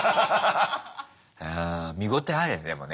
うん見応えあるよねでもね。